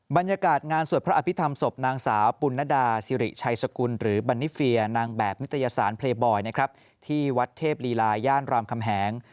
บรรยากาศงานสวดพระอภิษฐรรมศพนางสาวปุณนดาสิริชัยสกุลหรือบันนิเฟียนางแบบนิตยสารเพลย์บอยนะครับที่วัดเทพลีลายย่านรามคำแหง